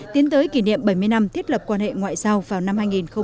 tiến tới kỷ niệm bảy mươi năm thiết lập quan hệ ngoại giao vào năm hai nghìn hai mươi